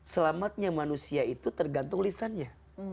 selamatnya manusia itu tergantung lisannya